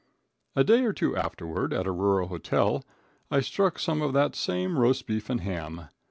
A day or two afterward, at a rural hotel, I struck some of that same roast beef and ham.